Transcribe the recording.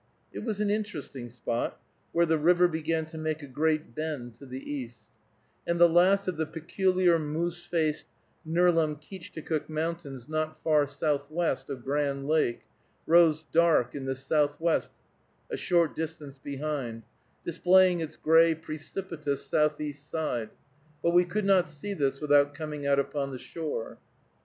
It was an interesting spot, where the river began to make a great bend to the east, and the last of the peculiar moose faced Nerlumskeechticook Mountains not far southwest of Grand Lake rose dark in the northwest a short distance behind, displaying its gray precipitous southeast side, but we could not see this without coming out upon the shore.